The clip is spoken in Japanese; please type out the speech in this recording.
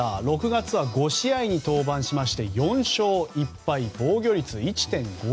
６月は５試合に登板し４勝１敗、防御率１．５２と。